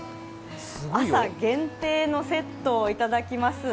朝限定のセットをいただきます。